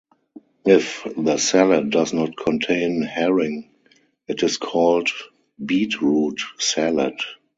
If the salad does not contain herring it is called beetroot salad.